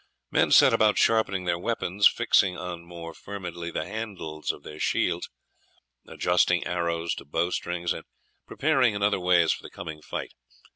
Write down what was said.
Men sat about sharpening their weapons, fixing on more firmly the handles of their shields, adjusting arrows to bowstrings, and preparing in other ways for the coming fight.